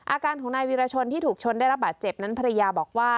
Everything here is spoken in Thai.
อาการของนายวีรชนที่ถูกชนได้รับบาดเจ็บนั้นภรรยาบอกว่า